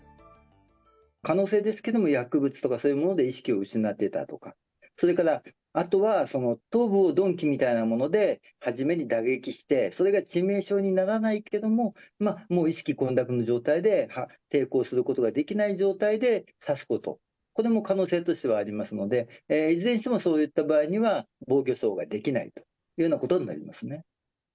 可能性ですけども、薬物とかそういうもので意識を失ってたとか、それからあとは、頭部を鈍器みたいなものではじめに打撃して、それが致命傷にならないけれども、もう意識混濁の状態で抵抗することができない状態で刺すこと、これも可能性としてはありますので、いずれにしてもそういった場合には、防御創はできないというようなことになりますね。